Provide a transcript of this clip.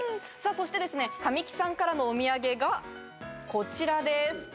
そして神木さんからのお土産がこちらです。